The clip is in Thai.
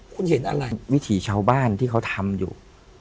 คุณเห็นอะไรวิถีชาวบ้านที่เขาทำอยู่